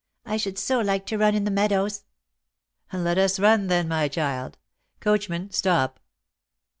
I should so like to run in the meadows." "Let us run, then, my child. Coachman, stop."